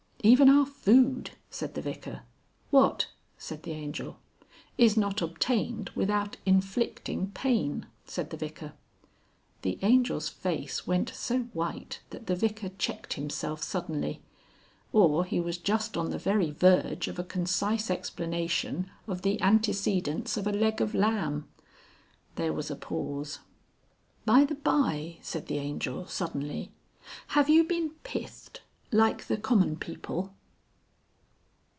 "Even our food," said the Vicar. "What?" said the Angel. "Is not obtained without inflicting Pain," said the Vicar. The Angel's face went so white that the Vicar checked himself suddenly. Or he was just on the very verge of a concise explanation of the antecedents of a leg of lamb. There was a pause. "By the bye," said the Angel, suddenly. "Have you been pithed? Like the common people."